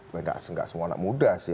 nggak semua anak muda sih